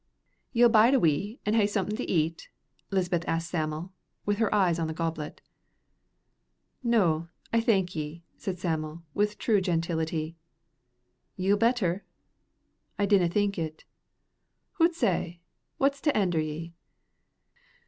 "Yell bide a wee, an' hae something to eat?" Lisbeth asked Sam'l, with her eyes on the goblet. "No, I thank ye," said Sam'l, with true gentility. "Ye'll better?" "I dinna think it." "Hoots ay; what's to hender ye?"